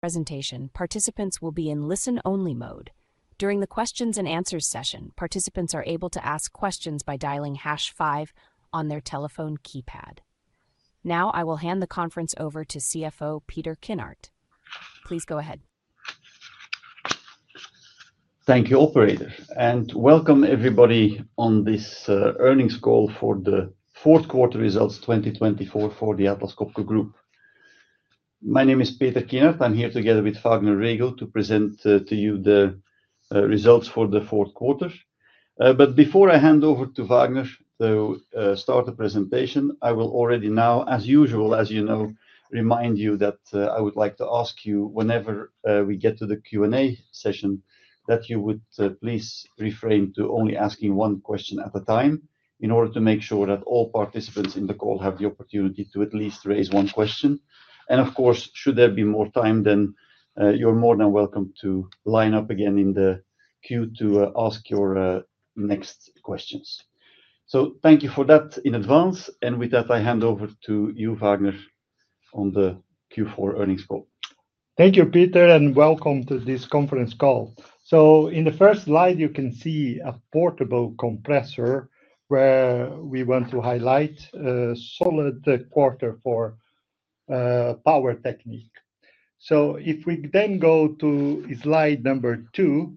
Presentation participants will be in listen-only mode. During the Q&A session, participants are able to ask questions by dialing hash five on their telephone keypad. Now, I will hand the conference over to CFO Peter Kinnart. Please go ahead. Thank you, Operator, and welcome everybody on this earnings call for the Q4 results 2024 for the Atlas Copco Group. My name is Peter Kinnart, I'm here together with Vagner Rego to present to you the results for the Q4. But before I hand over to Vagner to start the presentation, I will already now, as usual, as you know, remind you that I would like to ask you, whenever we get to the Q&A session, that you would please refrain from only asking one question at a time in order to make sure that all participants in the call have the opportunity to at least raise one question. Of course, should there be more time, then you're more than welcome to line up again in the queue to ask your next questions. So thank you for that in advance, and with that, I hand over to you, Vagner, on the Q4 earnings call. Thank you, Peter, and welcome to this conference call. So in the first slide, you can see a portable Compressor where we want to highlight a solid quarter for Power Technique. So if we then go to slide number two,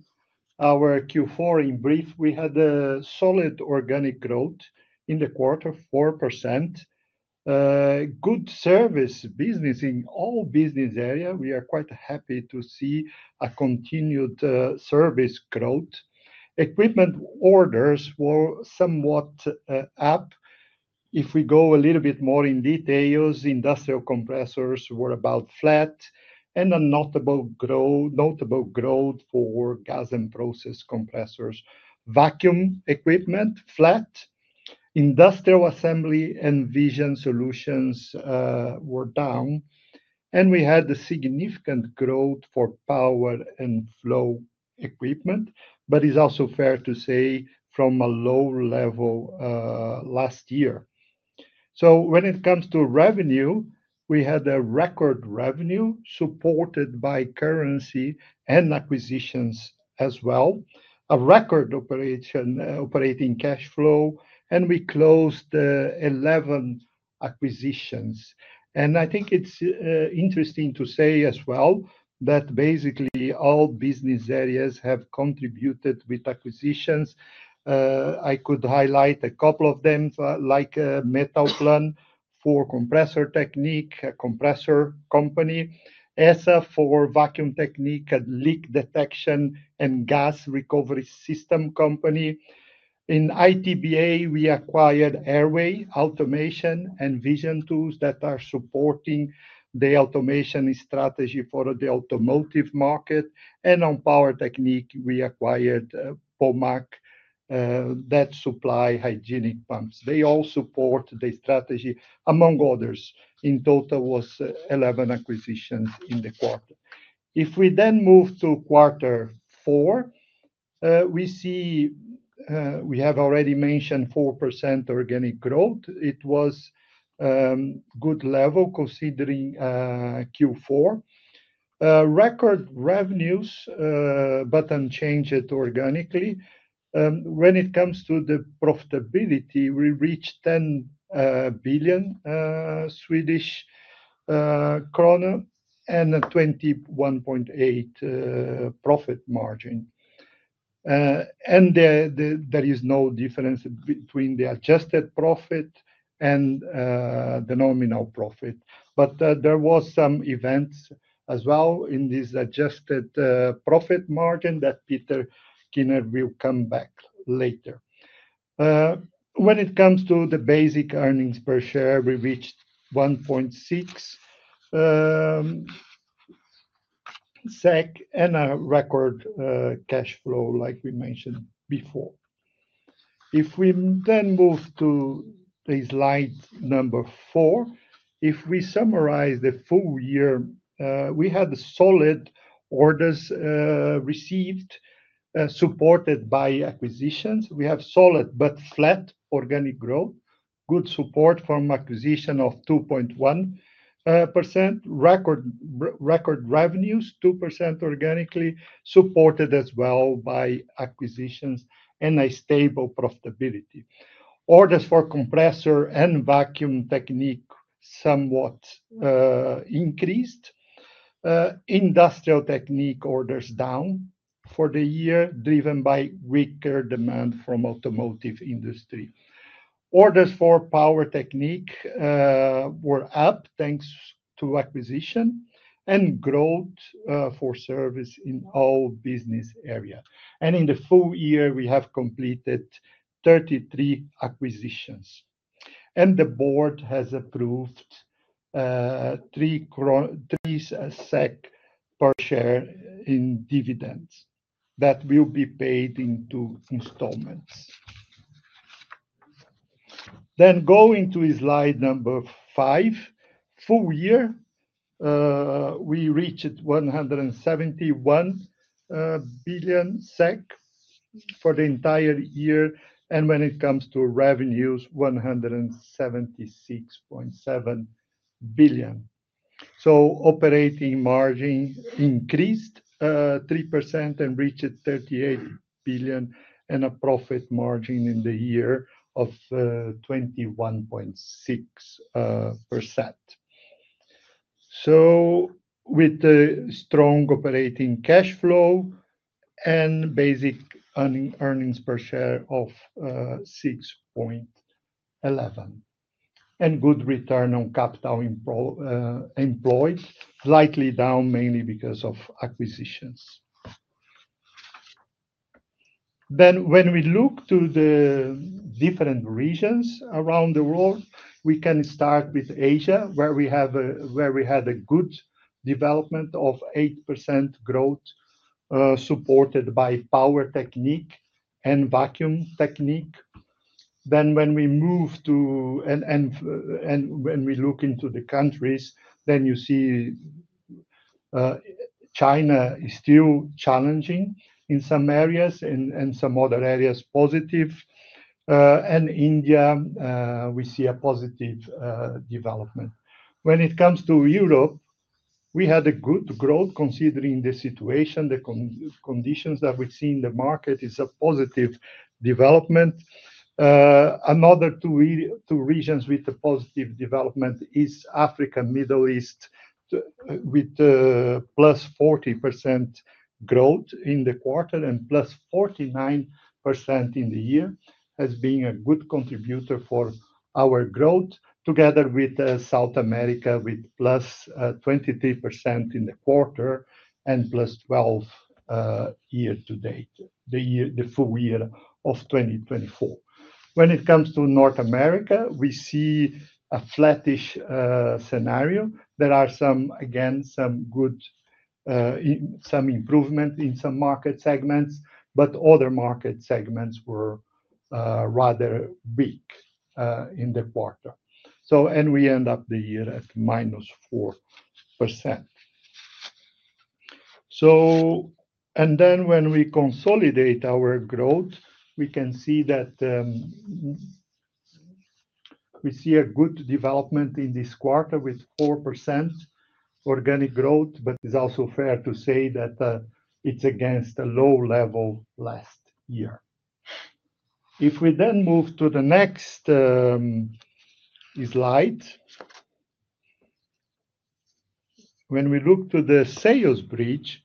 our Q4 in brief, we had a solid organic growth in the quarter, 4%. Good service business in all business areas. We are quite happy to see a continued service growth. Equipment orders were somewhat up. If we go a little bit more in detail, industrial Compressors were about flat, and a notable growth for Gas and Process Compressors. Vacuum equipment flat, Industrial Assembly and Vision Solutions were down, and we had a significant growth for Power and Flow equipment, but it's also fair to say from a low level last year. So when it comes to revenue, we had a record revenue supported by currency and acquisitions as well. A record operating cash flow, and we closed 11 acquisitions. I think it's interesting to say as well that basically all business areas have contributed with acquisitions. I could highlight a couple of them, like Mader for Compressor Technique, a Compressor company. HSR for Vacuum Technique and leak detection and gas recovery system company. In ITBA, we acquired Airway Automation and VisionTools that are supporting the automation strategy for the automotive market. On Power Technique, we acquired Pomac that supply hygienic pumps. They all support the strategy, among others. In total, it was 11 acquisitions in the quarter. If we then move to Q4, we see we have already mentioned 4% organic growth. It was a good level considering Q4. Record revenues, but unchanged organically. When it comes to the profitability, we reached 10 billion krona and 21.8% profit margin. There is no difference between the adjusted profit and the nominal profit. There were some events as well in this adjusted profit margin that Peter Kinnart will come back later. When it comes to the basic earnings per share, we reached 1.6 SEK and a record cash flow, like we mentioned before. If we then move to slide number four, if we summarize the full year, we had solid orders received, supported by acquisitions. We have solid but flat organic growth, good support from acquisition of 2.1%. Record revenues, 2% organically, supported as well by acquisitions and a stable profitability. Orders for Compressor and Vacuum Technique somewhat Industrial Technique orders down for the year, driven by weaker demand from the automotive industry. Orders for Power Technique were up thanks to acquisition and growth for service in all business areas. In the full year, we have completed 33 acquisitions. The board has approved 3 SEK per share in dividends that will be paid into installments. Going to slide number five, full year, we reached SEK 171 billion for the entire year. When it comes to revenues, 176.7 billion. Operating margin increased 3% and reached 38 billion, and a profit margin in the year of 21.6%. With a strong operating cash flow and basic earnings per share of 6.11. Good Return on Capital Employed, slightly down mainly because of acquisitions. When we look to the different regions around the world, we can start with Asia, where we had a good development of 8% growth supported by Power Technique Vacuum Technique. Then when we move to, and when we look into the countries, then you see China is still challenging in some areas and some other areas positive. India, we see a positive development. When it comes to Europe, we had a good growth considering the situation, the conditions that we've seen in the market is a positive development. Another two regions with a positive development is Africa and the Middle East, with +40% growth in the quarter and +49% in the year, has been a good contributor for our growth, together with South America with +23% in the quarter and +12% year to date, the full year of 2024. When it comes to North America, we see a flattish scenario. There are some, again, some improvement in some market segments, but other market segments were rather weak in the quarter and we end up the year at -4%. Then when we consolidate our growth, we can see that we see a good development in this quarter with 4% organic growth. But it's also fair to say that it's against a low level last year. If we then move to the next slide, when we look to the sales bridge,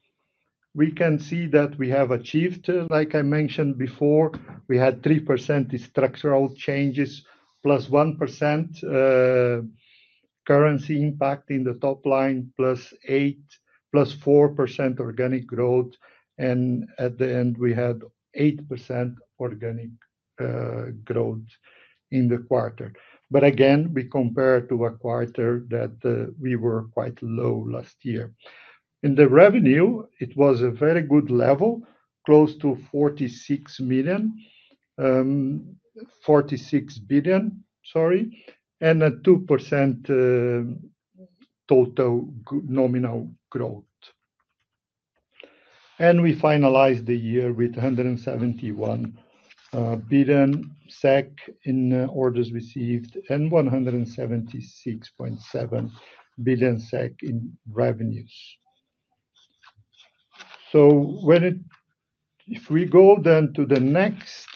we can see that we have achieved, like I mentioned before, we had 3% structural changes, +1% currency impact in the top line, +4% organic growth. At the end, we had 8% organic growth in the quarter. But again, we compare to a quarter that we were quite low last year. In the revenue, it was a very good level, close to 46 billion, sorry, and a 2% total nominal growth. We finalized the year with 171 billion SEK in orders received and 176.7 billion SEK in revenues. If we go then to the next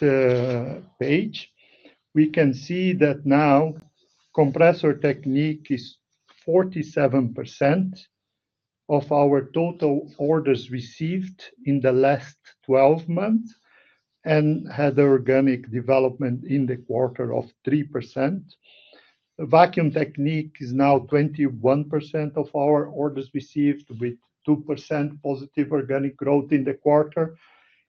page, we can see that now Compressor Technique is 47% of our total orders received in the last 12 months and had organic development in the quarter of Vacuum Technique is now 21% of our orders received with 2% positive organic growth in the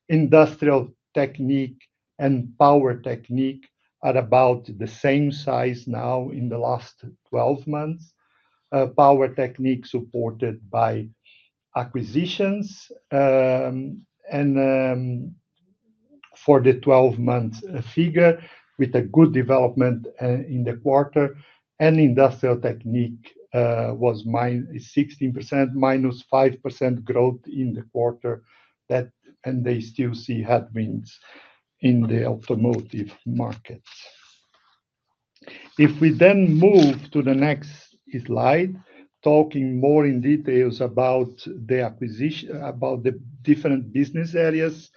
Industrial Technique and Power Technique are about the same size now in the last 12 months. Power Technique supported by acquisitions. For the 12-month figure, with a good development in the quarter, Industrial Technique was -16%, -5% growth in the quarter that they still see headwinds in the automotive markets. If we then move to the next slide, talking more in details about the different business areas,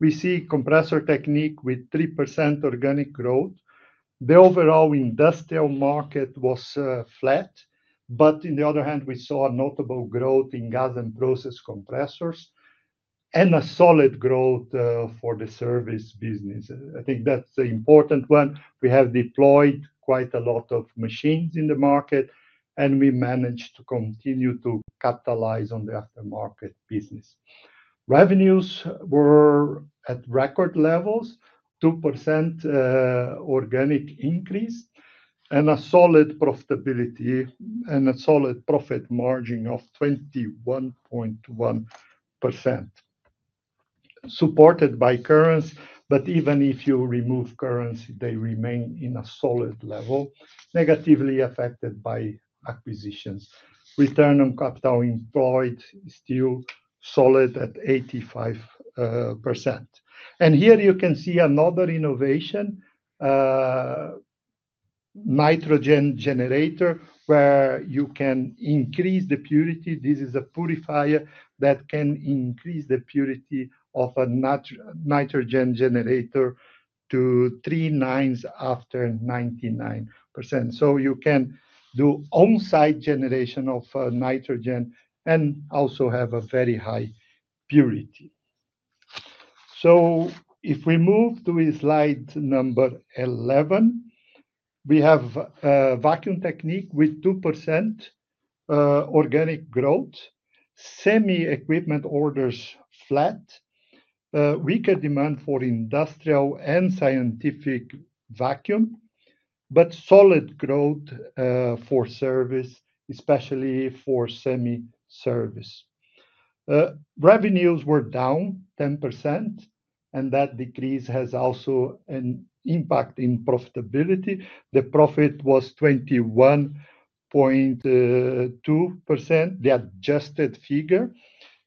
we see Compressor Technique with 3% organic growth. The overall industrial market was flat, but on the other hand, we saw notable growth in Gas and Process Compressors and a solid growth for the service business. I think that's the important one. We have deployed quite a lot of machines in the market, and we managed to continue to capitalize on the aftermarket business. Revenues were at record levels, 2% organic increase, and a solid profitability and a solid profit margin of 21.1%. Supported by currency, but even if you remove currency, they remain in a solid level, negatively affected by acquisitions. Return on Capital Employed is still solid at 85% and here you can see another innovation, nitrogen generator, where you can increase the purity. This is a purifier that can increase the purity of a nitrogen generator to three nines after 99%. You can do on-site generation of nitrogen and also have a very high purity. If we move to slide number 11, we have Vacuum Technique with 2% organic growth, semi-equipment orders flat, weaker demand for industrial and Scientific Vacuum, but solid growth for service, especially for semi-service. Revenues were down 10%, and that decrease has also an impact in profitability. The profit was 21.2%, the adjusted figure.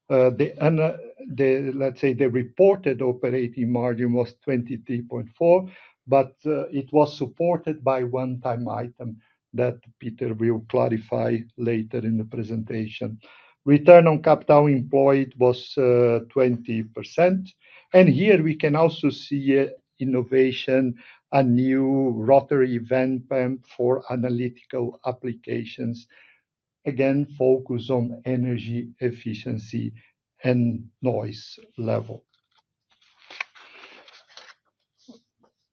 Let's say the reported operating margin was 23.4%, but it was supported by one-time item that Peter will clarify later in the presentation. Return on Capital Employed was 20% and here we can also see innovation, a new rotary vane pump for analytical applications, again, focus on energy efficiency and noise level.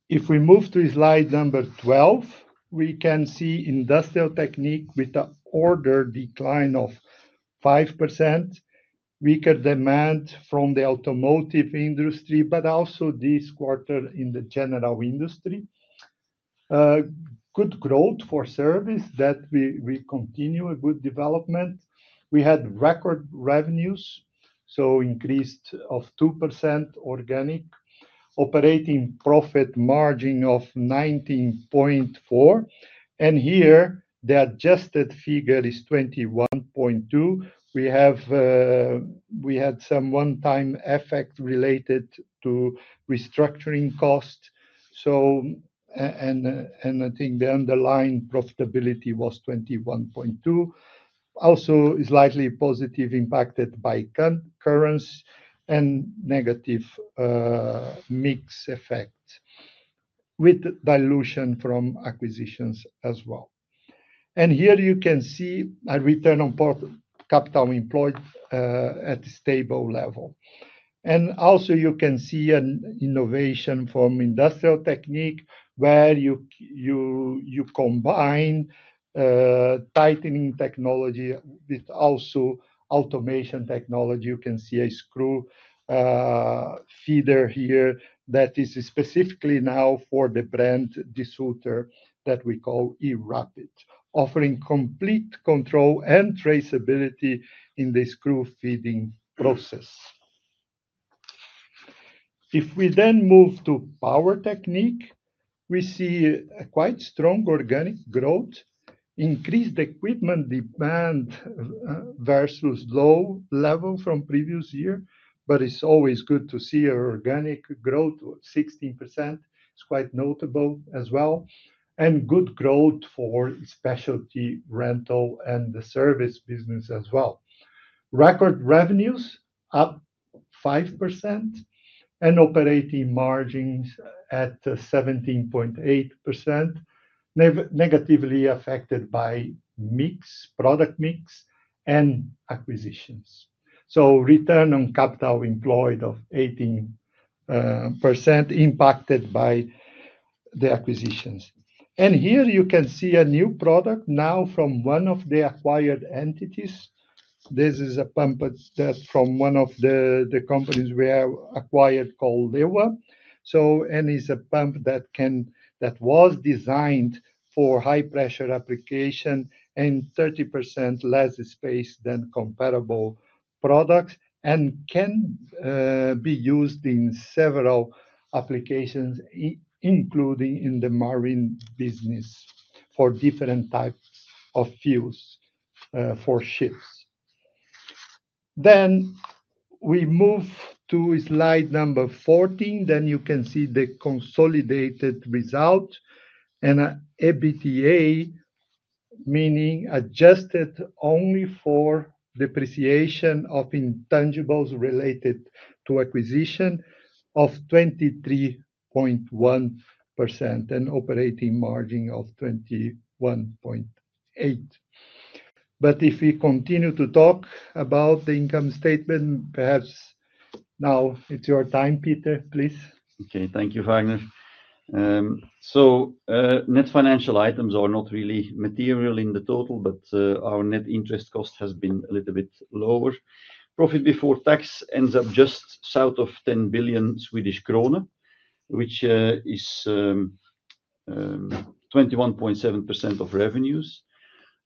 If we move to slide number 12, we can Industrial Technique with an order decline of 5%, weaker demand from the automotive industry, but also this quarter in the general industry. Good growth for service that we continue a good development. We had record revenues, so increased of 2% organic, operating profit margin of 19.4%. Here the adjusted figure is 21.2%. We had some one-time effect related to restructuring costs. I think the underlying profitability was 21.2%, also slightly positively impacted by currencies and negative mix effect with dilution from acquisitions as well. Here you can see a Return on Capital Employed at a stable level. Also you can see an innovation Industrial Technique where you combine tightening technology with also automation technology. You can see a screw feeder here that is specifically now for the brand distributor that we call eRapid, offering complete control and traceability in the screw feeding process. If we then move to Power Technique, we see quite strong organic growth, increased equipment demand versus low level from previous year, but it's always good to see organic growth of 16%. It's quite notable as well, and good growth for Specialty Rental and the service business as well. Record revenues up 5% and operating margins at 17.8%, negatively affected by product mix and acquisitions, so Return on Capital Employed of 18% impacted by the acquisitions, and here you can see a new product now from one of the acquired entities. This is a pump from one of the companies we have acquired called LEWA. It's a pump that was designed for high-pressure application and 30% less space than comparable products and can be used in several applications, including in the marine business for different types of fuels for ships. We move to slide number 14. You can see the consolidated result and EBITA, meaning adjusted only for depreciation of intangibles related to acquisition of 23.1% and operating margin of 21.8%. If we continue to talk about the income statement, perhaps now it's your time, Peter, please. Okay, thank you, Vagner. Net financial items are not really material in the total, but our net interest cost has been a little bit lower. Profit before tax ends up just south of 10 billion krona, which is 21.7% of revenues.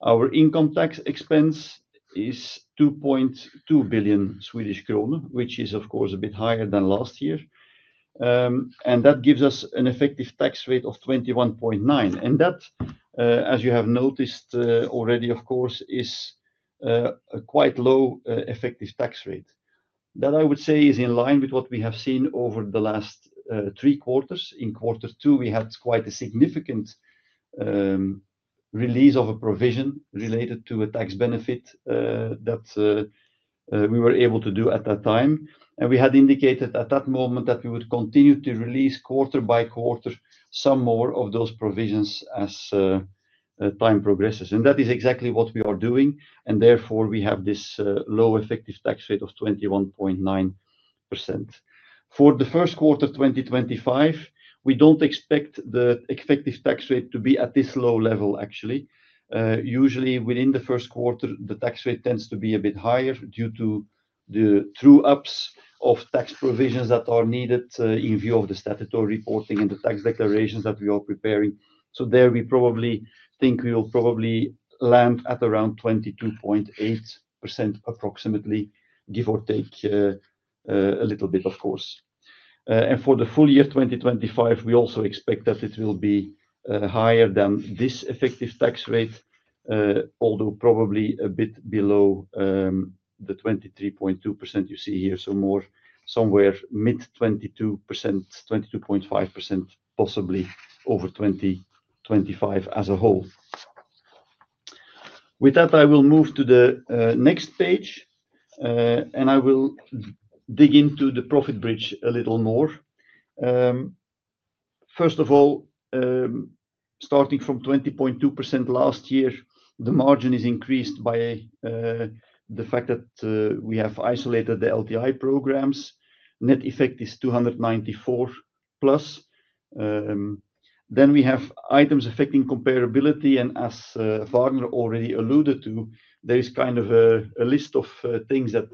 Our income tax expense is 2.2 billion krona, which is, of course, a bit higher than last year. That gives us an effective tax rate of 21.9% and that, as you have noticed already, of course, is a quite low effective tax rate. That I would say is in line with what we have seen over the last three quarters. In quarter two, we had quite a significant release of a provision related to a tax benefit that we were able to do at that time. We had indicated at that moment that we would continue to release quarter-by-quarter some more of those provisions as time progresses. And that is exactly what we are doing and therefore, we have this low effective tax rate of 21.9%. For the first quarter of 2025, we don't expect the effective tax rate to be at this low level, actually. Usually, within the first quarter, the tax rate tends to be a bit higher due to the true ups of tax provisions that are needed in view of the statutory reporting and the tax declarations that we are preparing. So there we probably think we will probably land at around 22.8% approximately, give or take a little bit, of course. For the full year 2025, we also expect that it will be higher than this effective tax rate, although probably a bit below the 23.2% you see here, so more somewhere mid 22%, 22.5% possibly over 2025 as a whole. With that, I will move to the next page, and I will dig into the profit bridge a little more. First of all, starting from 20.2% last year, the margin is increased by the fact that we have isolated the LTI programs. Net effect is 294+. Then we have items affecting comparability and as Vagner already alluded to, there is kind of a list of things that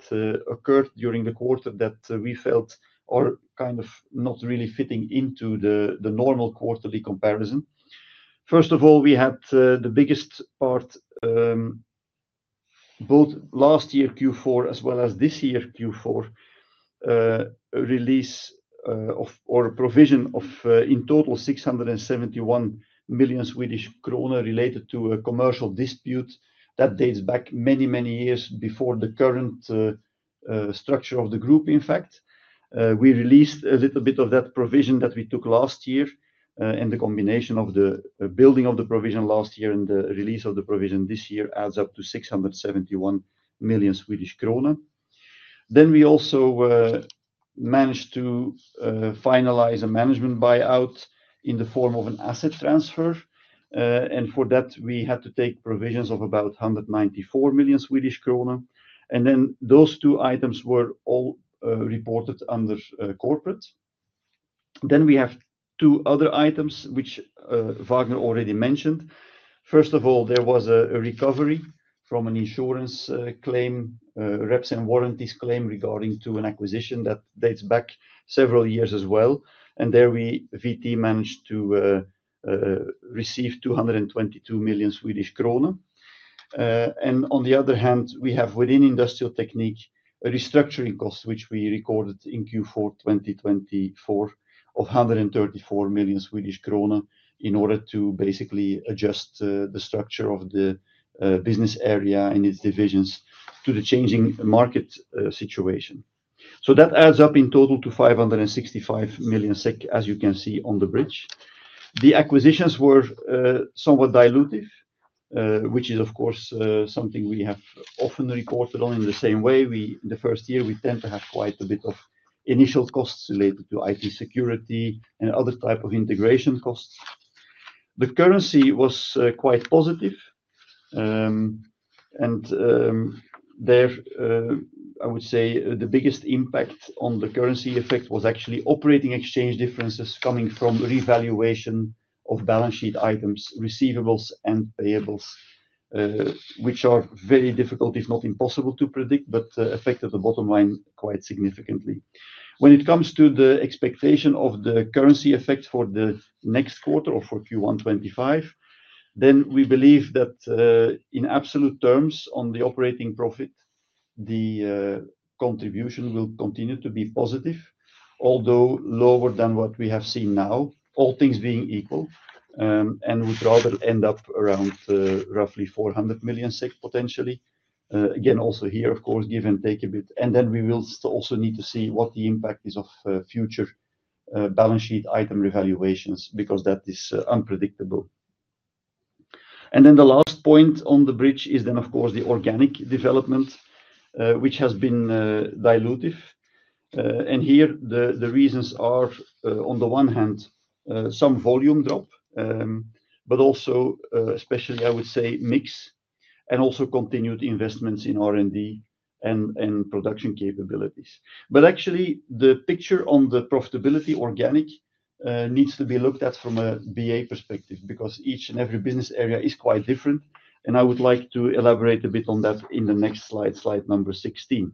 occurred during the quarter that we felt are kind of not really fitting into the normal quarterly comparison. First of all, we had the biggest part, both last year Q4 as well as this year Q4, release or provision of in total 671 million krona related to a commercial dispute that dates back many, many years before the current structure of the group, in fact. We released a little bit of that provision that we took last year, and the combination of the building of the provision last year and the release of the provision this year adds up to 671 million krona. Then we also managed to finalize a management buyout in the form of an asset transfer. For that, we had to take provisions of about 194 million krona and then those two items were all reported under corporate. Then we have two other items which Vagner already mentioned. First of all, there was a recovery from an insurance claim, reps and warranties claim regarding an acquisition that dates back several years as well and there we at VT managed to receive 222 million krona. On the other hand, we have Industrial Technique a restructuring cost, which we recorded in Q4 2024 of 134 million krona in order to basically adjust the structure of the business area and its divisions to the changing market situation. So that adds up in total to 565 million SEK, as you can see on the bridge. The acquisitions were somewhat dilutive, which is, of course, something we have often reported on in the same way. The first year, we tend to have quite a bit of initial costs related to IT security and other types of integration costs. The currency was quite positive. There, I would say the biggest impact on the currency effect was actually operating exchange differences coming from revaluation of balance sheet items, receivables, and payables, which are very difficult, if not impossible to predict, but affected the bottom line quite significantly. When it comes to the expectation of the currency effect for the next quarter or for Q1 2025, then we believe that in absolute terms on the operating profit, the contribution will continue to be positive, although lower than what we have seen now, all things being equal and we'd rather end up around roughly 400 million potentially. Again, also here, of course, give and take a bit. We will also need to see what the impact is of future balance sheet item revaluations because that is unpredictable. The last point on the bridge is then, of course, the organic development, which has been dilutive. Here the reasons are, on the one hand, some volume drop, but also especially, I would say, mix and also continued investments in R&D and production capabilities. Actually, the picture on the profitability organic needs to be looked at from a BA perspective because each and every business area is quite different. I would like to elaborate a bit on that in the next slide, slide number 16.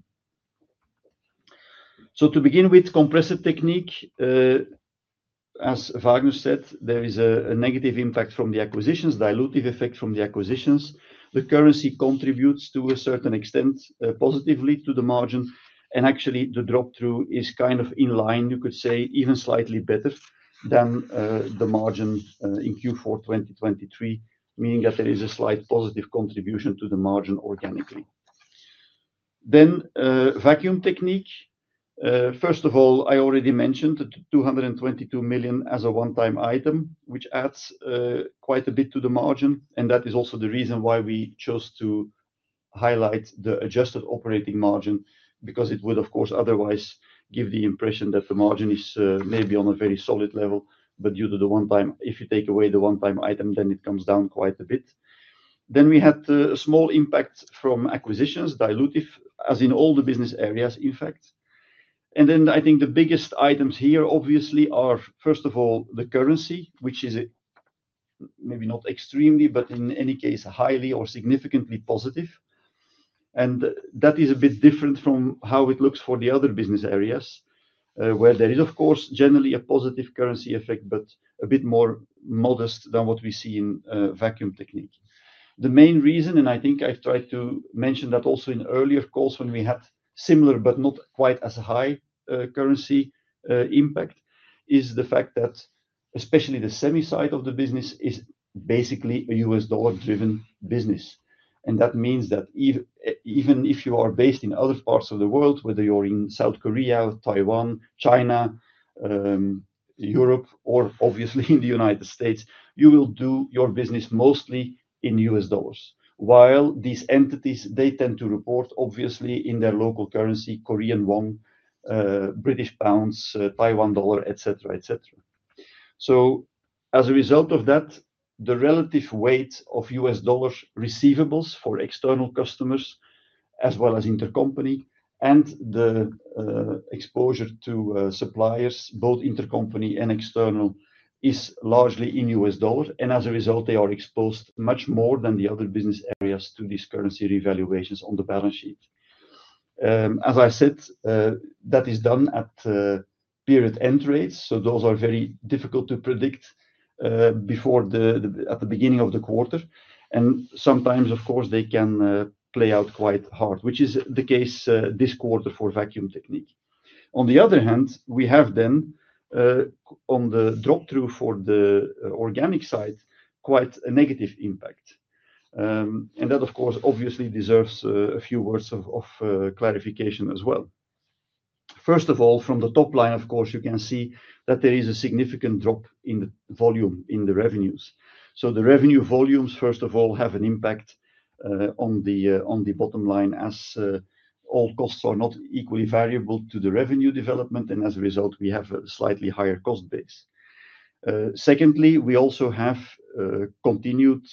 To begin with, Compressor Technique, as Vagner said, there is a negative impact from the acquisitions, dilutive effect from the acquisitions. The currency contributes to a certain extent positively to the margin. Actually, the drop-through is kind of in line, you could say, even slightly better than the margin in Q4 2023, meaning that there is a slight positive contribution to the margin organically. Then Vacuum Technique. First of all, I already mentioned 222 million as a one-time item, which adds quite a bit to the margin and that is also the reason why we chose to highlight the adjusted operating margin because it would, of course, otherwise give the impression that the margin is maybe on a very solid level. But due to the one-time, if you take away the one-time item, then it comes down quite a bit. Then we had a small impact from acquisitions, dilutive, as in all the business areas, in fact. Then I think the biggest items here, obviously, are, first of all, the currency, which is maybe not extremely, but in any case, highly or significantly positive. That is a bit different from how it looks for the other business areas, where there is, of course, generally a positive currency effect, but a bit more modest than what we see in Vacuum Technique. The main reason, and I think I've tried to mention that also in earlier calls when we had similar, but not quite as high currency impact, is the fact that especially the semi-side of the business is basically a U.S. dollar-driven business. That means that even if you are based in other parts of the world, whether you're in South Korea, Taiwan, China, Europe, or obviously in the United States, you will do your business mostly in U.S. dollars. While these entities, they tend to report, obviously, in their local currency, Korean won, British pounds, Taiwan dollar, etc., etc. So as a result of that, the relative weight of U.S. dollar receivables for external customers, as well as intercompany and the exposure to suppliers, both intercompany and external, is largely in U.S. dollars. As a result, they are exposed much more than the other business areas to these currency revaluations on the balance sheet. As I said, that is done at period end rates. So those are very difficult to predict at the beginning of the quarter and sometimes, of course, they can play out quite hard, which is the case this quarter Vacuum Technique. On the other hand, we have then on the drop-through for the organic side, quite a negative impact. That, of course, obviously deserves a few words of clarification as well. First of all, from the top line, of course, you can see that there is a significant drop in the volume in the revenues, so the revenue volumes, first of all, have an impact on the bottom line as all costs are not equally variable to the revenue development, and as a result, we have a slightly higher cost base. Secondly, we also have continued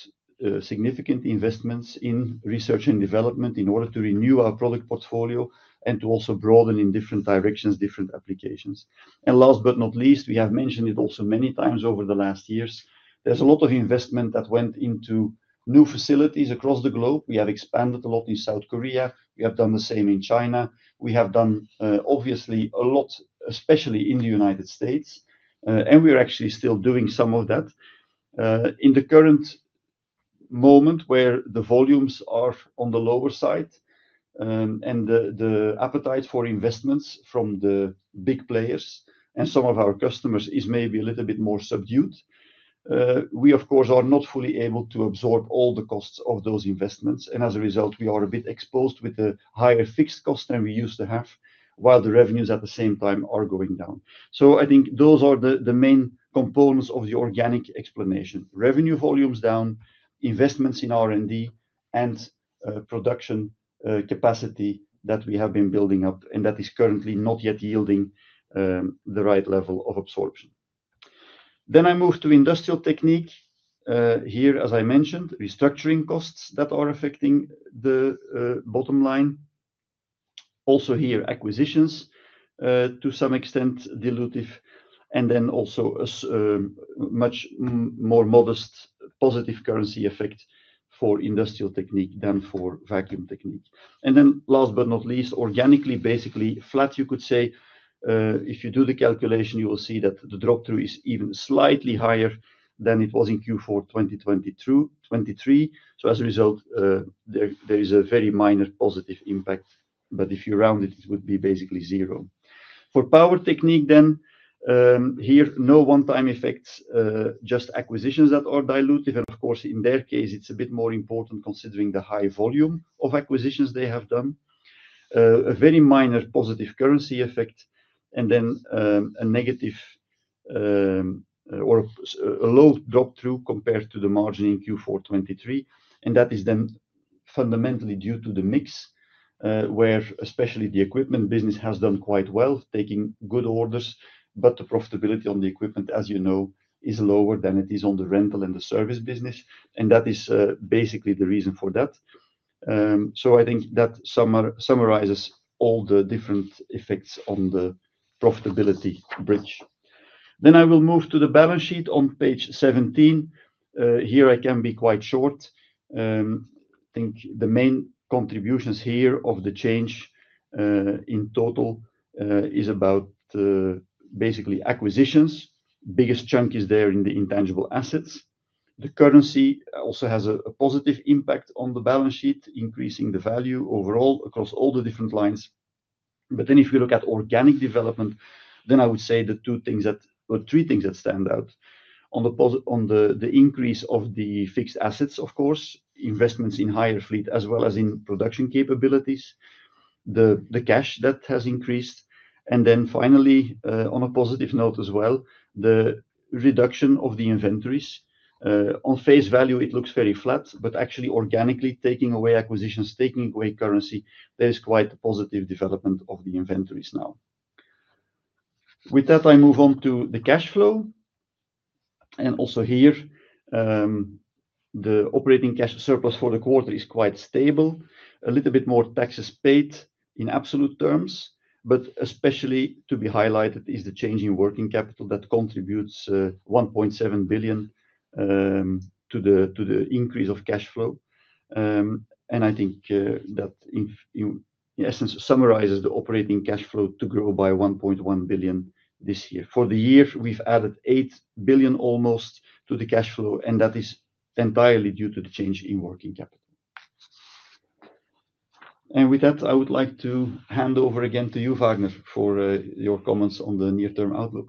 significant investments in research and development in order to renew our product portfolio and to also broaden in different directions, different applications, and last but not least, we have mentioned it also many times over the last years. There's a lot of investment that went into new facilities across the globe. We have expanded a lot in South Korea. We have done the same in China. We have done, obviously, a lot, especially in the United States and we are actually still doing some of that. In the current moment where the volumes are on the lower side and the appetite for investments from the big players and some of our customers is maybe a little bit more subdued, we, of course, are not fully able to absorb all the costs of those investments. As a result, we are a bit exposed with the higher fixed costs than we used to have, while the revenues at the same time are going down. So I think those are the main components of the organic explanation: revenue volumes down, investments in R&D, and production capacity that we have been building up, and that is currently not yet yielding the right level of absorption. Then I moved Industrial Technique here, as I mentioned, restructuring costs that are affecting the bottom line. Also here, acquisitions to some extent dilutive, and then also a much more modest positive currency effect Industrial Technique than for Vacuum Technique. Then last but not least, organically, basically flat, you could say. If you do the calculation, you will see that the drop-through is even slightly higher than it was in Q4 2023. So as a result, there is a very minor positive impact, but if you round it, it would be basically zero. For Power Technique then, here, no one-time effects, just acquisitions that are dilutive. Of course, in their case, it's a bit more important considering the high volume of acquisitions they have done. A very minor positive currency effect, and then a negative or a low drop-through compared to the margin in Q4 2023. That is then fundamentally due to the mix, where especially the equipment business has done quite well, taking good orders. But the profitability on the equipment, as you know, is lower than it is on the rental and the service business and that is basically the reason for that. So I think that summarizes all the different effects on the profitability bridge. Then I will move to the balance sheet on page 17. Here I can be quite short. I think the main contributions here of the change in total is about basically acquisitions. Biggest chunk is there in the intangible assets. The currency also has a positive impact on the balance sheet, increasing the value overall across all the different lines. But then, if we look at organic development, then I would say the two things that or three things that stand out on the increase of the fixed assets: of course, investments in hire fleet as well as in production capabilities, the cash that has increased. Then finally, on a positive note as well, the reduction of the inventories. At face value, it looks very flat, but actually organically taking away acquisitions, taking away currency, there is quite a positive development of the inventories now. With that, I move on to the cash flow. Also here, the operating cash surplus for the quarter is quite stable. A little bit more taxes paid in absolute terms, but especially to be highlighted is the change in working capital that contributes 1.7 billion to the increase of cash flow. I think that, in essence, summarizes the operating cash flow to grow by 1.1 billion this year. For the year, we've added almost 8 billion to the cash flow, and that is entirely due to the change in working capital. With that, I would like to hand over again to you, Vagner, for your comments on the near-term outlook.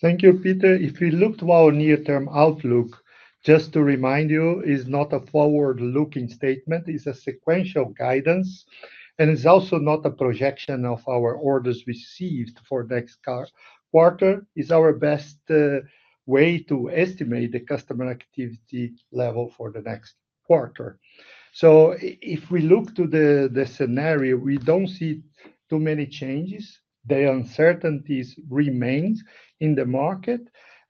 Thank you, Peter. If we look to our near-term outlook, just to remind you, it is not a forward-looking statement. It's a sequential guidance, and it's also not a projection of our orders received for next quarter. It's our best way to estimate the customer activity level for the next quarter. If we look to the scenario, we don't see too many changes. The uncertainty remains in the market,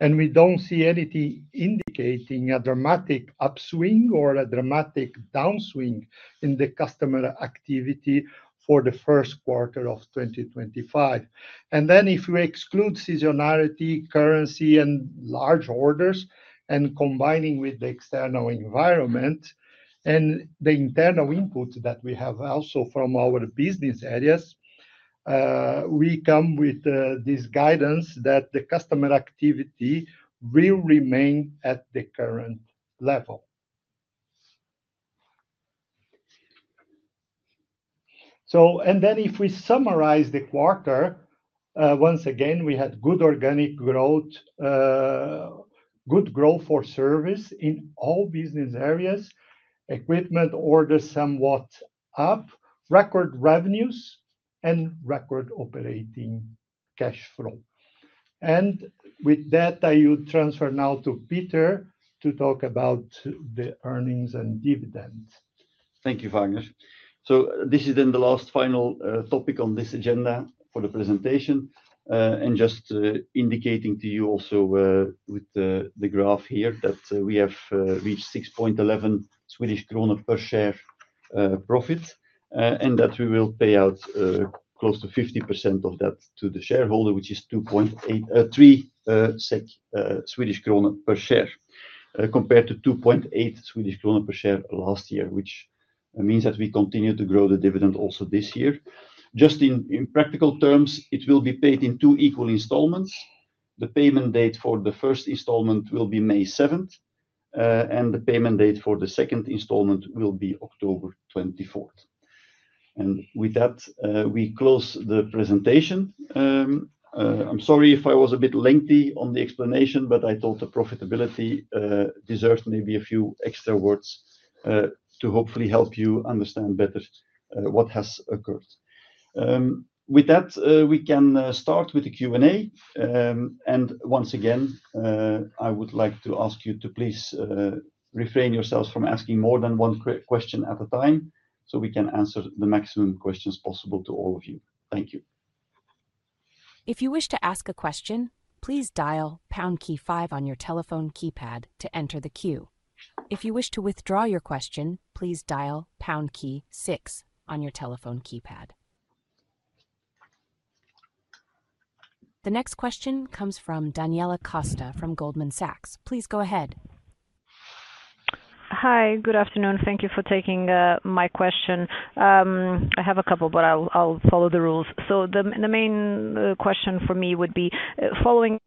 and we don't see anything indicating a dramatic upswing or a dramatic downswing in the customer activity for the first quarter of 2025. Then if we exclude seasonality, currency, and large orders, and combining with the external environment and the internal input that we have also from our business areas, we come with this guidance that the customer activity will remain at the current level. Then if we summarize the quarter, once again, we had good organic growth, good growth for service in all business areas, equipment orders somewhat up, record revenues, and record operating cash flow. With that, I would transfer now to Peter to talk about the earnings and dividends. Thank you, Vagner. This is then the last final topic on this agenda for the presentation, and just indicating to you also with the graph here that we have reached 6.11 Swedish kronor per share profit, and that we will pay out close to 50% of that to the shareholder, which is 3 SEK per share compared to 2.8 Swedish kronor per share last year, which means that we continue to grow the dividend also this year. Just in practical terms, it will be paid in two equal installments. The payment date for the first installment will be May 7th, and the payment date for the second installment will be October 24th. With that, we close the presentation. I'm sorry if I was a bit lengthy on the explanation, but I thought the profitability deserves maybe a few extra words to hopefully help you understand better what has occurred. With that, we can start with the Q&A, and once again, I would like to ask you to please refrain yourselves from asking more than one question at a time so we can answer the maximum questions possible to all of you. Thank you. If you wish to ask a question, please dial pound key five on your telephone keypad to enter the queue. If you wish to withdraw your question, please dial pound key six on your telephone keypad. The next question comes from Daniela Costa from Goldman Sachs. Please go ahead. Hi, good afternoon. Thank you for taking my question. I have a couple, but I'll follow the rules. So the main question for me would be following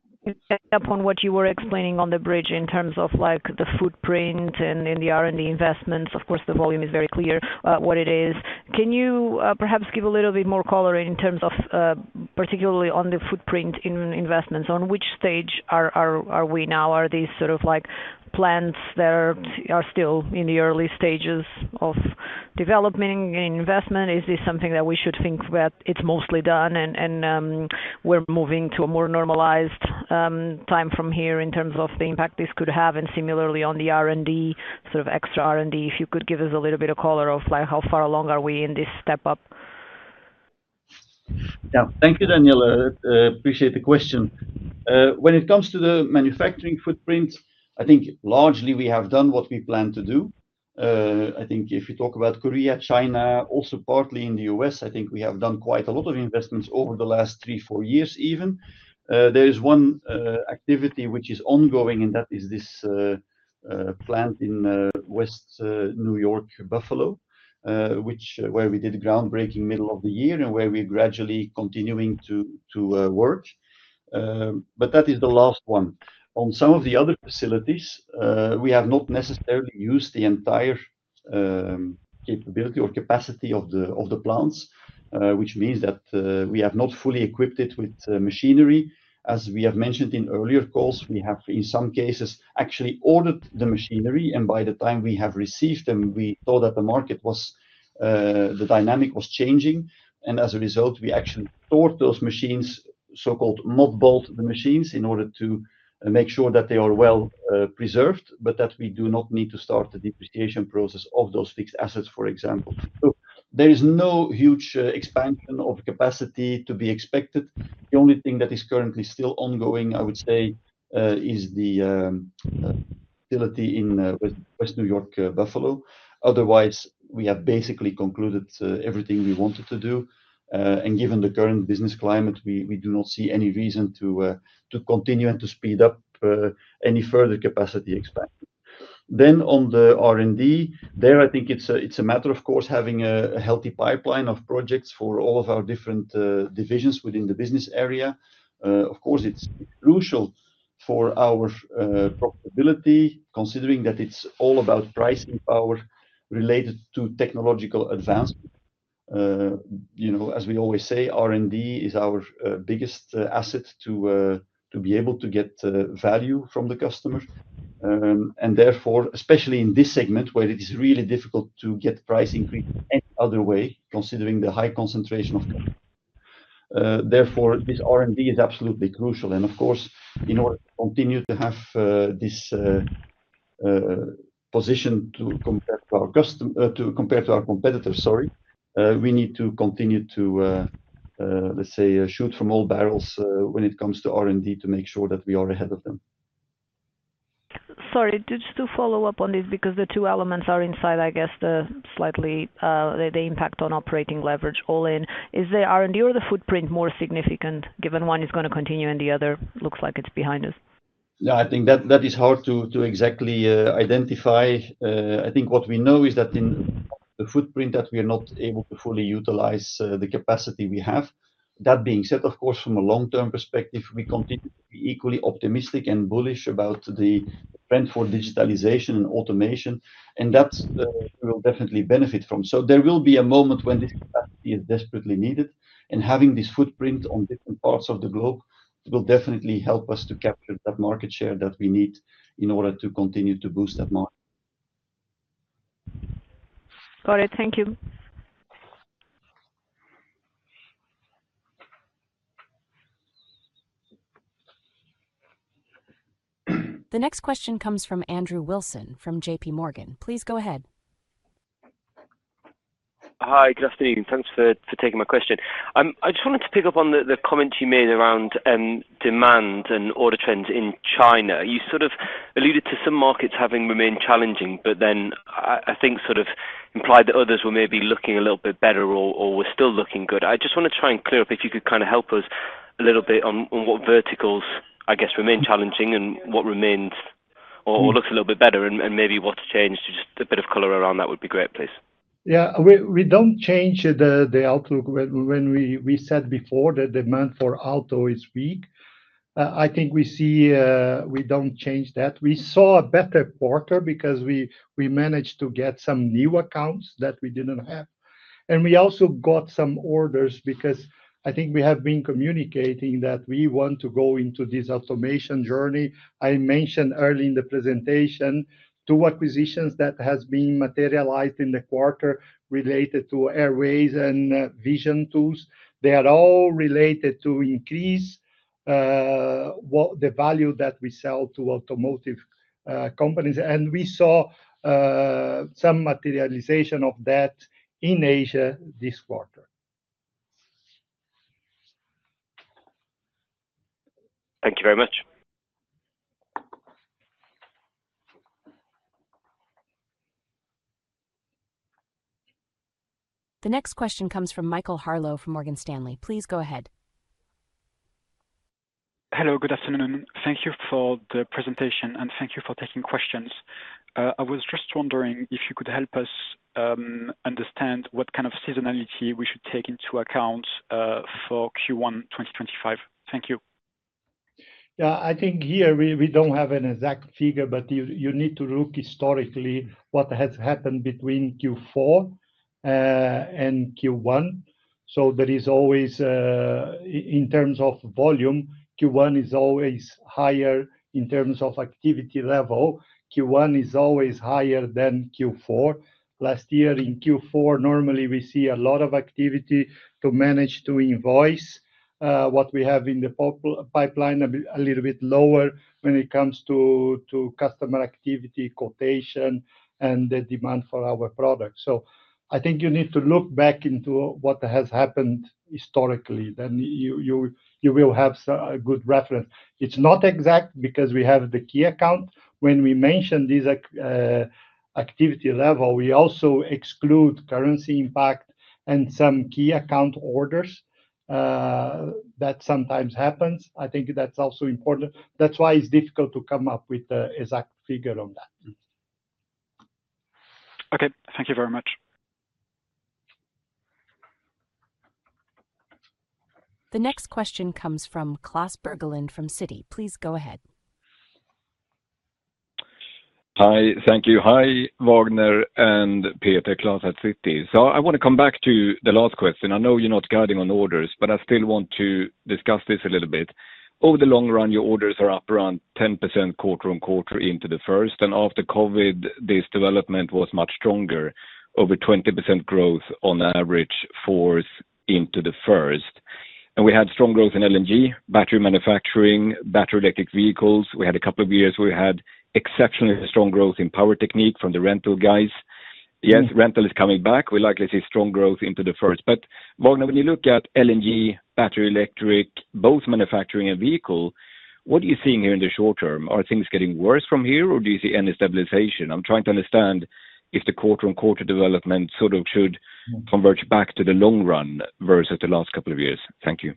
up on what you were explaining on the bridge in terms of the footprint and the R&D investments. Of course, the volume is very clear what it is. Can you perhaps give a little bit more color in terms of particularly on the footprint investments? On which stage are we now? Are these sort of plants that are still in the early stages of development and investment? Is this something that we should think that it's mostly done and we're moving to a more normalized time from here in terms of the impact this could have? Similarly, on the R&D, sort of extra R&D, if you could give us a little bit of color of how far along are we in this step up? Yeah, thank you, Daniela. Appreciate the question. When it comes to the manufacturing footprint, I think largely we have done what we planned to do. I think if you talk about Korea, China, also partly in the U.S., I think we have done quite a lot of investments over the last three, four years even. There is one activity which is ongoing, and that is this plant in western New York, Buffalo, where we did groundbreaking middle of the year and where we're gradually continuing to work. But that is the last one. On some of the other facilities, we have not necessarily used the entire capability or capacity of the plants, which means that we have not fully equipped it with machinery. As we have mentioned in earlier calls, we have in some cases actually ordered the machinery, and by the time we have received them, we saw that the market dynamics were changing. As a result, we actually stored those machines, so-called mothballed machines, in order to make sure that they are well preserved, but that we do not need to start the depreciation process of those fixed assets, for example. There is no huge expansion of capacity to be expected. The only thing that is currently still ongoing, I would say, is the facility in western New York, Buffalo. Otherwise, we have basically concluded everything we wanted to do. Given the current business climate, we do not see any reason to continue and to speed up any further capacity expansion. On the R&D, there I think it's a matter, of course, having a healthy pipeline of projects for all of our different divisions within the business area. Of course, it's crucial for our profitability, considering that it's all about pricing power related to technological advancement. As we always say, R&D is our biggest asset to be able to get value from the customers. Therefore, especially in this segment where it is really difficult to get price increase any other way, considering the high concentration of customers. Therefore, this R&D is absolutely crucial. Of course, in order to continue to have this position to compare to our competitors, sorry, we need to continue to, let's say, shoot from all barrels when it comes to R&D to make sure that we are ahead of them. Sorry, just to follow up on this, because the two elements are inside, I guess, the slightly the impact on operating leverage all in. Is the R&D or the footprint more significant given one is going to continue and the other looks like it's behind us? Yeah, I think that is hard to exactly identify. I think what we know is that in the footprint that we are not able to fully utilize the capacity we have. That being said, of course, from a long-term perspective, we continue to be equally optimistic and bullish about the trend for digitalization and automation, and that will definitely benefit from. So there will be a moment when this capacity is desperately needed, and having this footprint on different parts of the globe will definitely help us to capture that market share that we need in order to continue to boost that market. Got it. Thank you. The next question comes from Andrew Wilson from J.P. Morgan. Please go ahead. Hi, good afternoon. Thanks for taking my question. I just wanted to pick up on the comments you made around demand and order trends in China. You sort of alluded to some markets having remained challenging, but then I think sort of implied that others were maybe looking a little bit better or were still looking good. I just want to try and clear up if you could kind of help us a little bit on what verticals, I guess, remain challenging and what remains or looks a little bit better, and maybe what's changed. Just a bit of color around that would be great, please. Yeah, we don't change the outlook. When we said before that demand for auto is weak, I think we see we don't change that. We saw a better quarter because we managed to get some new accounts that we didn't have and we also got some orders because I think we have been communicating that we want to go into this automation journey. I mentioned early in the presentation two acquisitions that have been materialized in the quarter related to Airway and VisionTools. They are all related to increase the value that we sell to automotive companies, and we saw some materialization of that in Asia this quarter. Thank you very much. The next question comes from Michael Harlow from Morgan Stanley. Please go ahead. Hello, good afternoon. Thank you for the presentation and thank you for taking questions. I was just wondering if you could help us understand what kind of seasonality we should take into account for Q1 2025. Thank you. Yeah, I think here we don't have an exact figure, but you need to look historically what has happened between Q4 and Q1. So there is always, in terms of volume, Q1 is always higher in terms of activity level. Q1 is always higher than Q4. Last year, in Q4, normally we see a lot of activity to manage to invoice what we have in the pipeline, a little bit lower when it comes to customer activity quotation and the demand for our product. So I think you need to look back into what has happened historically, then you will have a good reference. It's not exact because we have the key account. When we mention this activity level, we also exclude currency impact and some key account orders that sometimes happen. I think that's also important. That's why it's difficult to come up with the exact figure on that. Okay, thank you very much. The next question comes from Klas Bergelind from Citi. Please go ahead. Hi, thank you. Hi, Vagner and Peter, Klas at Citi. So I want to come back to the last question. I know you're not guiding on orders, but I still want to discuss this a little bit. Over the long run, your orders are up around 10% quarter on quarter into the first. After COVID, this development was much stronger, over 20% growth on average for Q4 into the first. We had strong growth in LNG, battery manufacturing, battery electric vehicles. We had a couple of years where we had exceptionally strong growth in Power Technique from the rental guys. Yes, rental is coming back. We likely see strong growth into the first. But Vagner, when you look at LNG, battery electric, both manufacturing and vehicle, what are you seeing here in the short term? Are things getting worse from here, or do you see any stabilization? I'm trying to understand if the quarter-on-quarter development sort of should converge back to the long run versus the last couple of years. Thank you.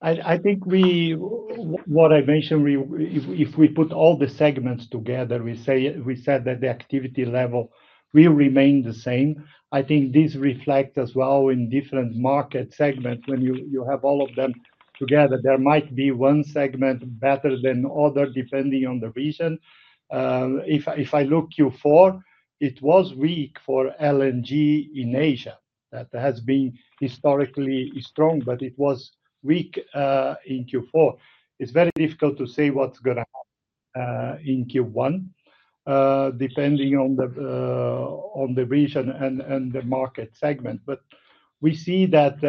I think what I mentioned, if we put all the segments together, we said that the activity level will remain the same. I think this reflects as well in different market segments. When you have all of them together, there might be one segment better than other depending on the region. If I look Q4, it was weak for LNG in Asia. That has been historically strong, but it was weak in Q4. It's very difficult to say what's going to happen in Q1 depending on the region and the market segment. We see that,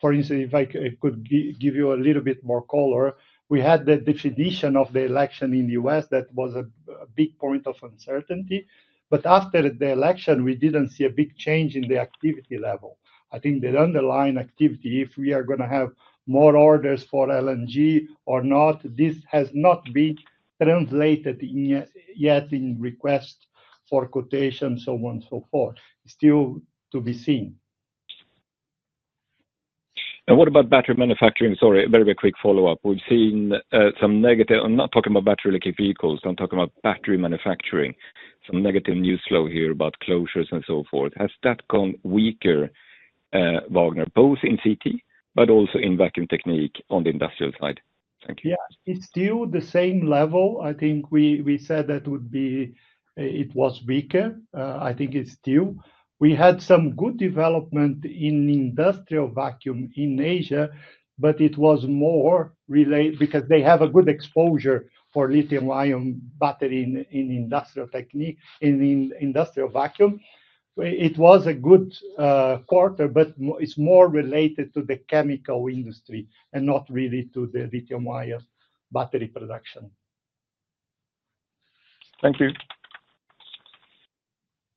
for instance, if I could give you a little bit more color, we had the outcome of the election in the U.S. that was a big point of uncertainty, but after the election, we didn't see a big change in the activity level. I think the underlying activity, if we are going to have more orders for LNG or not, this has not been translated yet in request for quotation, so on and so forth. Still to be seen. What about battery manufacturing? Sorry, very, very quick follow-up. We've seen some negative. I'm not talking about battery electric vehicles. I'm talking about battery manufacturing. Some negative news flow here about closures and so forth. Has that gone weaker, Vagner, both in CT, but also in Vacuum Technique on the industrial side? Thank you. Yeah, it's still the same level. I think we said that it was weaker. I think it's still. We had some good development in Industrial Vacuum in Asia, but it was more related because they have a good exposure for lithium-ion battery Industrial Technique and in Industrial Vacuum. It was a good quarter, but it's more related to the chemical industry and not really to the lithium-ion battery production. Thank you.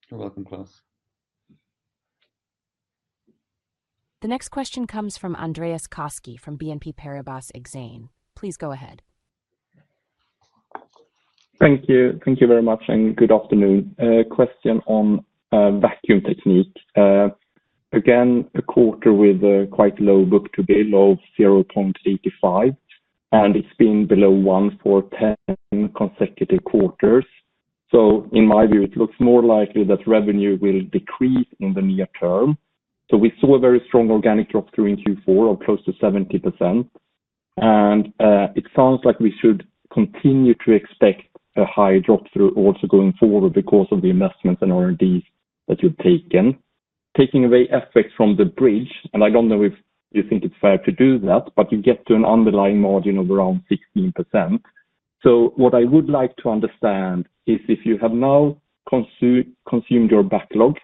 You're welcome, Klas. The next question comes from Andreas Koski from BNP Paribas Exane. Please go ahead. Thank you. Thank you very much and good afternoon. Question on Vacuum Technique. Again, a quarter with quite low book-to-bill of 0.85, and it's been below 1 for 10 consecutive quarters. So in my view, it looks more likely that revenue will decrease in the near term. So we saw a very strong organic drop through in Q4 of close to 70%. It sounds like we should continue to expect a high drop through also going forward because of the investments and R&Ds that you've taken. Taking away effects from the bridge, and I don't know if you think it's fair to do that, but you get to an underlying margin of around 16%. What I would like to understand is if you have now consumed your backlog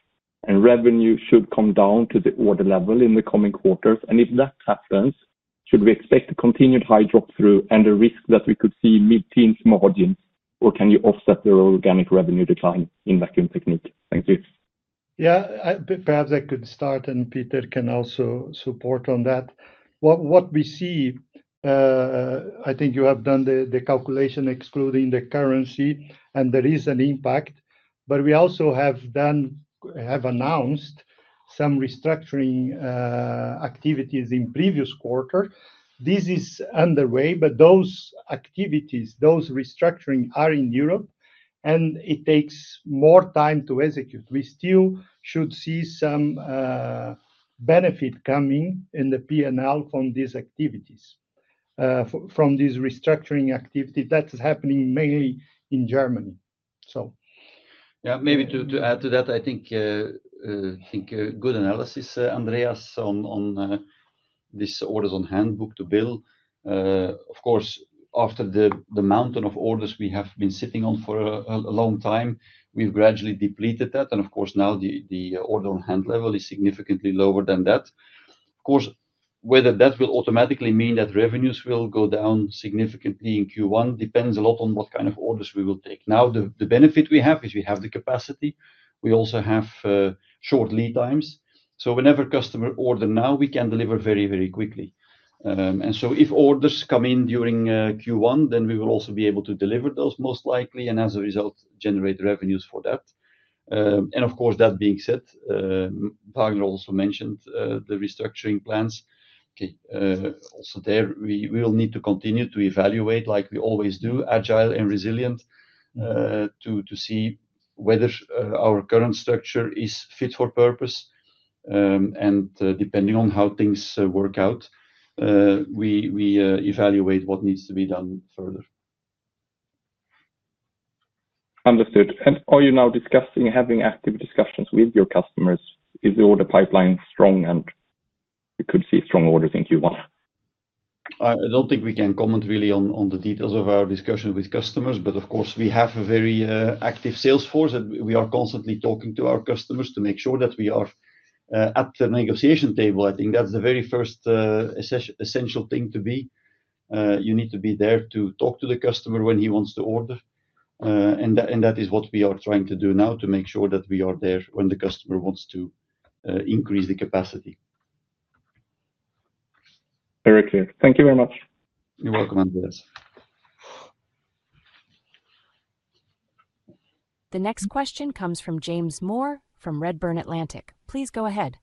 and revenue should come down to the order level in the coming quarters, and if that happens, should we expect continued high drop through and the risk that we could see mid-teens margin, or can you offset the organic revenue decline in Vacuum Technique? Thank you. Yeah, perhaps I could start, and Peter can also support on that. What we see, I think you have done the calculation excluding the currency, and there is an impact. But we also have announced some restructuring activities in previous quarter. This is underway, but those activities, those restructuring are in Europe, and it takes more time to execute. We still should see some benefit coming in the P&L from these activities, from these restructuring activities that's happening mainly in Germany. So. Yeah, maybe to add to that, I think good analysis, Andreas, on this orders on hand book-to-bill. Of course, after the mountain of orders we have been sitting on for a long time, we've gradually depleted that. Of course, now the order on hand level is significantly lower than that. Of course, whether that will automatically mean that revenues will go down significantly in Q1 depends a lot on what kind of orders we will take. Now, the benefit we have is we have the capacity. We also have short lead times. So whenever customer orders now, we can deliver very, very quickly. So if orders come in during Q1, then we will also be able to deliver those most likely and as a result, generate revenues for that. Of course, that being said, Vagner also mentioned the restructuring plans. Also there, we will need to continue to evaluate like we always do, agile and resilient, to see whether our current structure is fit for purpose and depending on how things work out, we evaluate what needs to be done further. Understood. Are you now discussing, having active discussions with your customers? Is the order pipeline strong and we could see strong orders in Q1? I don't think we can comment really on the details of our discussion with customers, but of course, we have a very active sales force. We are constantly talking to our customers to make sure that we are at the negotiation table. I think that's the very first essential thing to be. You need to be there to talk to the customer when he wants to order. That is what we are trying to do now to make sure that we are there when the customer wants to increase the capacity. Very clear. Thank you very much. You're welcome, Andreas. The next question comes from James Moore from Redburn Atlantic. Please go ahead.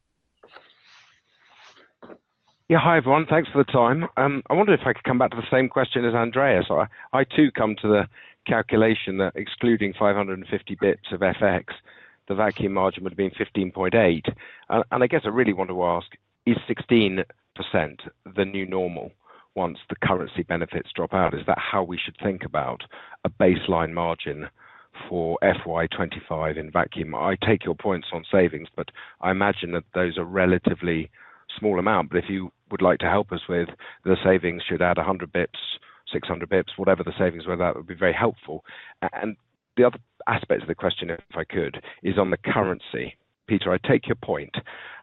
Yeah, hi everyone. Thanks for the time. I wondered if I could come back to the same question as Andreas. I too come to the calculation that excluding 550 basis points of FX, the vacuum margin would have been 15.8%. I guess I really want to ask, is 16% the new normal once the currency benefits drop out? Is that how we should think about a baseline margin for FY25 in vacuum? I take your points on savings, but I imagine that those are a relatively small amount. But if you would like to help us with the savings, should add 100 basis points, 600 basis points, whatever the savings were, that would be very helpful. The other aspect of the question, if I could, is on the currency. Peter, I take your point.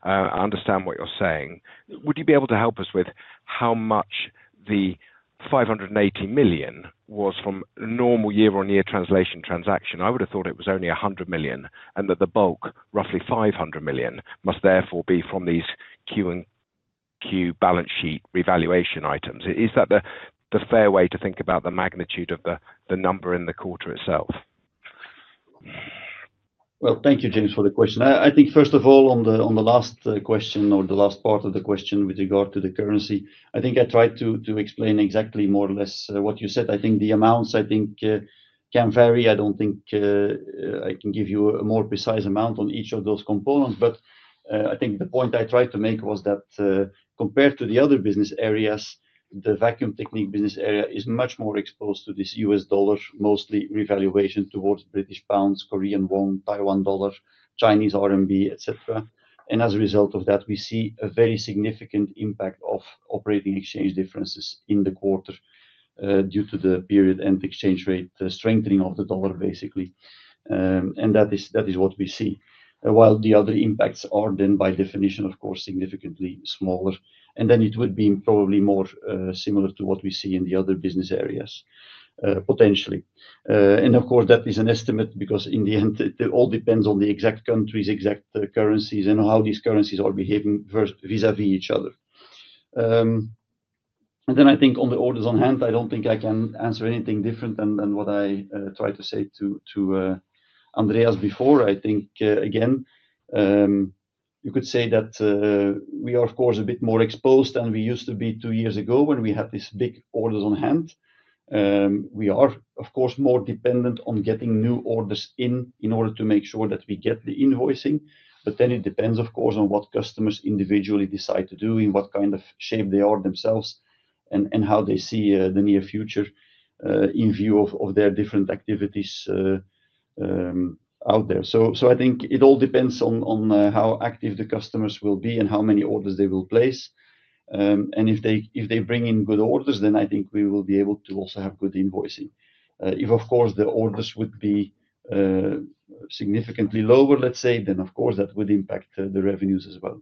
I understand what you're saying. Would you be able to help us with how much the 580 million was from normal year-on-year translation transaction? I would have thought it was only 100 million and that the bulk, roughly 500 million, must therefore be from these FX balance sheet revaluation items. Is that the fair way to think about the magnitude of the number in the quarter itself? Well, thank you, James, for the question. I think first of all, on the last question or the last part of the question with regard to the currency, I think I tried to explain exactly more or less what you said. I think the amounts I think can vary. I don't think I can give you a more precise amount on each of those components. But I think the point I tried to make was that compared to the other business areas, the Vacuum Technique business area is much more exposed to this U.S. dollar, mostly revaluation towards British pounds, Korean won, Taiwan dollar, Chinese RMB, etc. As a result of that, we see a very significant impact of operating exchange differences in the quarter due to the period and exchange rate strengthening of the dollar, basically and that is what we see. While the other impacts are then by definition, of course, significantly smaller. Then it would be probably more similar to what we see in the other business areas, potentially. Of course, that is an estimate because in the end, it all depends on the exact countries, exact currencies, and how these currencies are behaving vis-à-vis each other. Then I think on the orders on hand, I don't think I can answer anything different than what I tried to say to Andreas before. I think, again, you could say that we are, of course, a bit more exposed than we used to be two years ago when we had these big orders on hand. We are, of course, more dependent on getting new orders in in order to make sure that we get the invoicing. But then it depends, of course, on what customers individually decide to do, in what kind of shape they are themselves, and how they see the near future in view of their different activities out there. So I think it all depends on how active the customers will be and how many orders they will place and if they bring in good orders, then I think we will be able to also have good invoicing. Of course, the orders would be significantly lower, let's say, then of course, that would impact the revenues as well.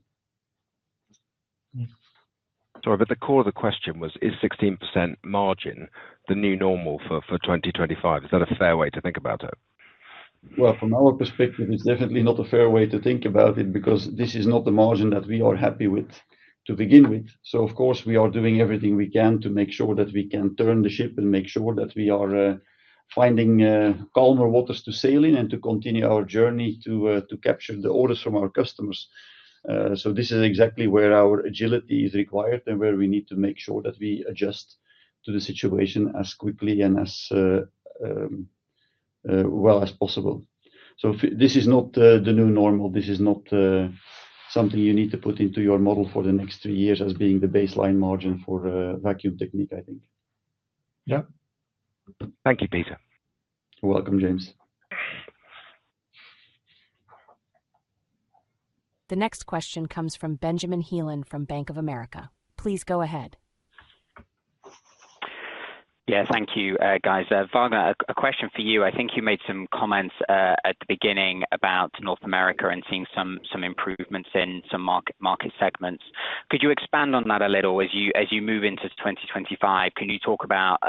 Sorry, but the core of the question was, is 16% margin the new normal for 2025? Is that a fair way to think about it? Well, from our perspective, it's definitely not a fair way to think about it because this is not the margin that we are happy with to begin with. So, of course, we are doing everything we can to make sure that we can turn the ship and make sure that we are finding calmer waters to sail in and to continue our journey to capture the orders from our customers. So this is exactly where our agility is required and where we need to make sure that we adjust to the situation as quickly and as well as possible. So this is not the new normal. This is not something you need to put into your model for the next three years as being the baseline margin for Vacuum Technique, I think. Yeah. Thank you, Peter. You're welcome, James. The next question comes from Benjamin Heelan from Bank of America. Please go ahead. Yeah, thank you, guys. Vagner, a question for you. I think you made some comments at the beginning about North America and seeing some improvements in some market segments. Could you expand on that a little as you move into 2025? Can you talk about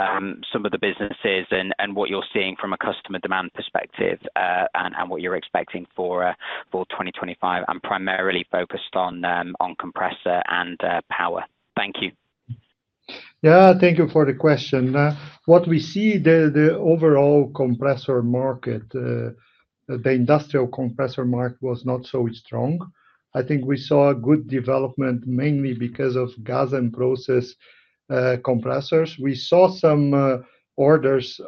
some of the businesses and what you're seeing from a customer demand perspective and what you're expecting for 2025 and primarily focused on Compressor and power? Thank you. Yeah, thank you for the question. What we see, the overall Compressor market, the industrial Compressor market was not so strong. I think we saw a good development mainly because of Gas and Process Compressors. We saw some orders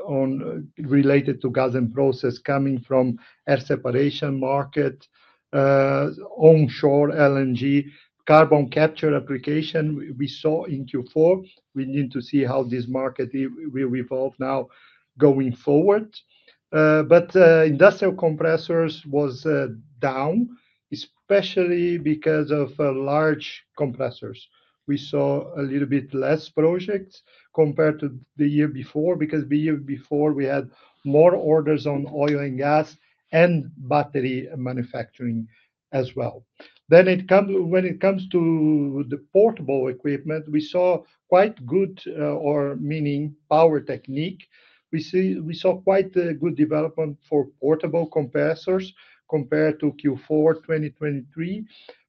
related to Gas and Process coming from air separation market, onshore LNG, carbon capture application we saw in Q4. We need to see how this market will evolve now going forward. But industrial Compressors was down, especially because of large Compressors. We saw a little bit less projects compared to the year before because the year before we had more orders on oil and gas and battery manufacturing as well. Then when it comes to the portable equipment, we saw quite good, or meaning Power Technique. We saw quite good development for portable compressors compared to Q4 2023,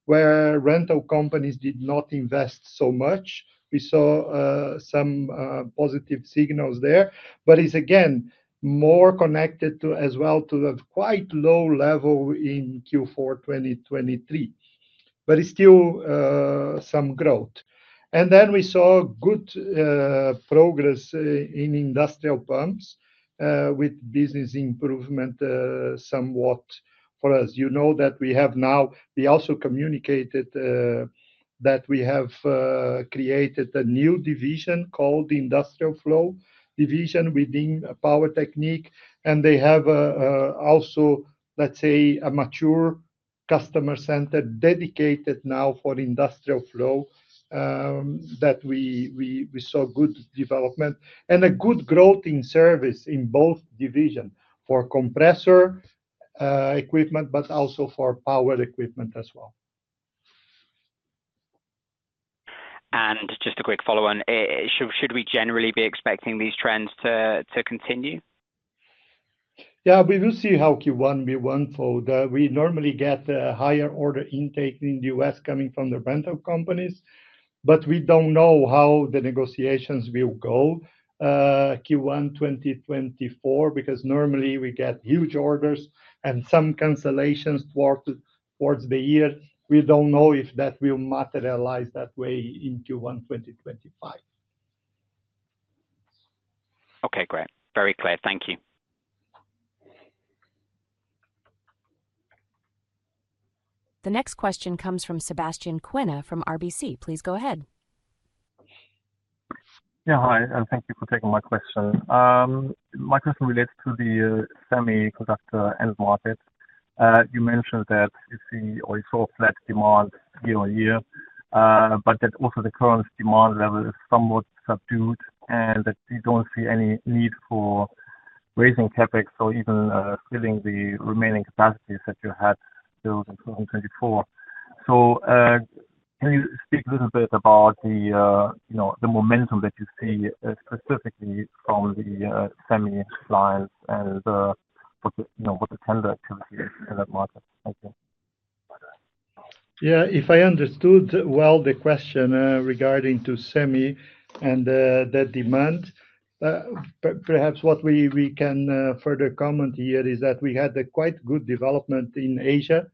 where rental companies did not invest so much. We saw some positive signals there, but it's again more connected as well to a quite low level in Q4 2023. But it's still some growth. Then we saw good progress in industrial pumps with business improvement somewhat for us. You know that we have now, we also communicated that we have created a new division called the Industrial Flow Division within Power Technique. They have also, let's say, a mature customer center dedicated now for Industrial Flow that we saw good development and a good growth in service in both divisions for Compressor equipment, but also for power equipment as well. Just a quick follow-on, should we generally be expecting these trends to continue? Yeah, we will see how Q1 forward. We normally get a higher order intake in the U.S. coming from the rental companies, but we don't know how the negotiations will go Q1 2024 because normally we get huge orders and some cancellations towards the year. We don't know if that will materialize that way in Q1 2025. Okay, great. Very clear. Thank you. The next question comes from Sebastian Kuenne from RBC. Please go ahead. Yeah, hi. Thank you for taking my question. My question relates to the semiconductor end market. You mentioned that you see or you saw flat demand year on year, but that also the current demand level is somewhat subdued and that you don't see any need for raising CapEx or even filling the remaining capacities that you had built in 2024. So can you speak a little bit about the momentum that you see specifically from the semi lines and what the tender activity is in that market? Thank you. Yeah, if I understood well the question regarding to semi and that demand, perhaps what we can further comment here is that we had a quite good development in Asia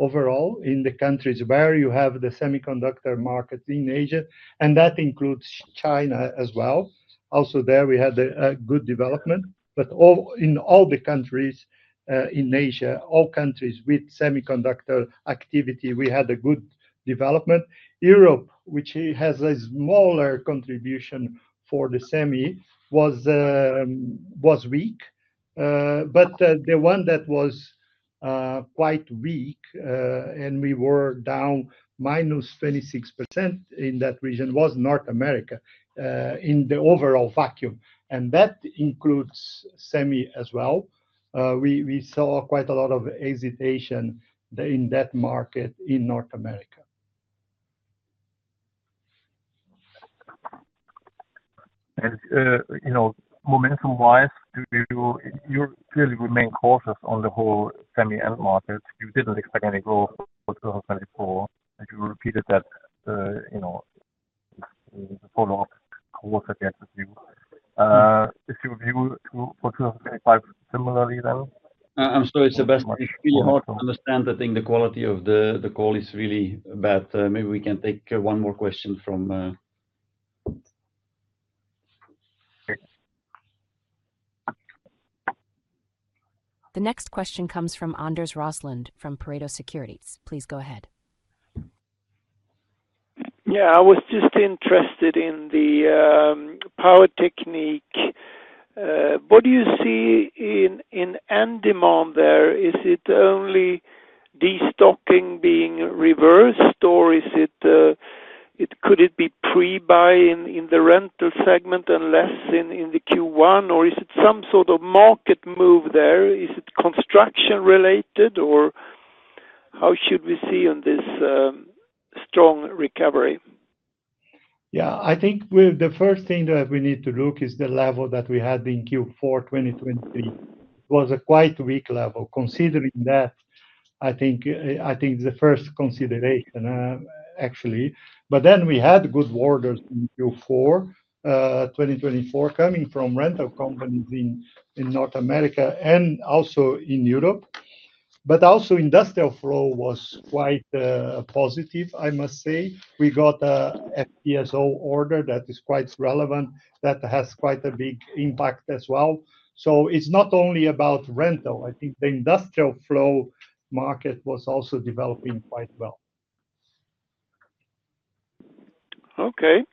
overall in the countries where you have the semiconductor market in Asia, and that includes China as well. Also there, we had a good development, but in all the countries in Asia, all countries with semiconductor activity, we had a good development. Europe, which has a smaller contribution for the semi, was weak. But the one that was quite weak and we were down -26% in that region was North America in the overall vacuum and that includes semi as well. We saw quite a lot of hesitation in that market in North America. Momentum-wise, you clearly remain cautious on the whole semi end market. You didn't expect any growth for 2024. You repeated that follow-up call suggested to you. Is your view for 2025 similarly then? I'm sorry, Sebastian. I understand that the quality of the call is really bad. Maybe we can take one more question from. The next question comes from Anders Roslund from Pareto Securities. Please go ahead. Yeah, I was just interested in the Power Technique. What do you see in end demand there? Is it only destocking being reversed, or could it be pre-buy in the rental segment and less in the Q1, or is it some sort of market move there? Is it construction-related, or how should we see on this strong recovery? Yeah, I think the first thing that we need to look at is the level that we had in Q4 2023. It was a quite weak level. Considering that, I think it's the first consideration, actually. But then we had good orders in Q4 2024 coming from rental companies in North America and also in Europe. But also Industrial Flow was quite positive, I must say. We got an FPSO order that is quite relevant that has quite a big impact as well. So it's not only about rental. I think the Industrial Flow market was also developing quite well. Okay.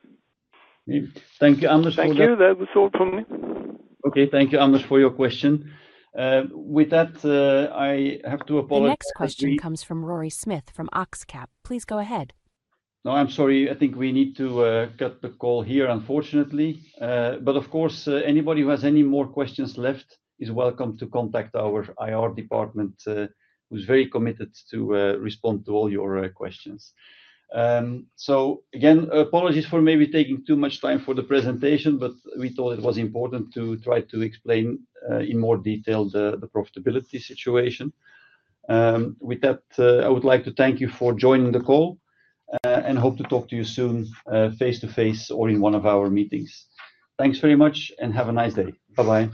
Thank you, Anders. Thank you. That was all from me. Okay. Thank you, Anders, for your question. With that, I have to apologize. The next question comes from Rory Smith from OxCap. Please go ahead. No, I'm sorry. I think we need to cut the call here, unfortunately. But of course, anybody who has any more questions left is welcome to contact our IR department, who's very committed to respond to all your questions. So again, apologies for maybe taking too much time for the presentation, but we thought it was important to try to explain in more detail the profitability situation. With that, I would like to thank you for joining the call and hope to talk to you soon face-to-face or in one of our meetings. Thanks very much and have a nice day. Bye-bye.